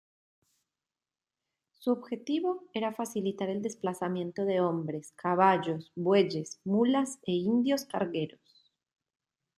Su objetivo era facilitar el desplazamiento de hombres, caballos, bueyes, mulas e indios cargueros.